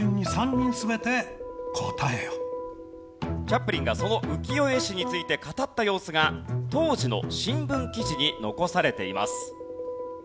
チャップリンがその浮世絵師について語った様子が当時の新聞記事に残されています。